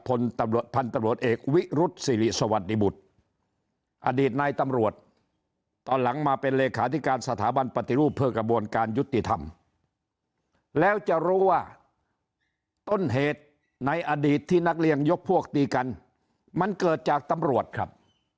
พันธุ์ตำรวจเอกวิรุษศิริสวัสดิบุตรอดีตนายตำรวจตอนหลังมาเป็นเลขาธิการสถาบันปฏิรูปเพื่อกระบวนการยุติธรรมแล้วจะรู้ว่าต้นเหตุในอดีตที่นักเรียนยกพวกตีกันมันเกิดจากตำรวจครับ